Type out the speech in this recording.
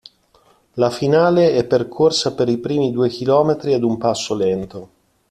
La finale è percorsa per i primi due km ad un passo lento.